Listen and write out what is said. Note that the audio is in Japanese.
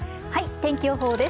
天気予報です。